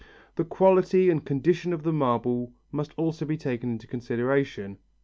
The quality and condition of the marble must also be taken into consideration.